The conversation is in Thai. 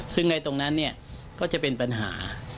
ซึ่งในตรงนั้นเนี่ยก็จะเป็นปัญหา